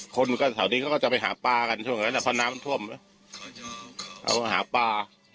คนก็แถวนี้ก็จะไปหาปลากันช่วงนั้นแต่พอน้ำมันท่วมเขาก็หาปลา